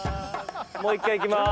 もう一回いきます。